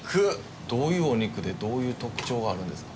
どういうお肉でどういう特徴があるんですか？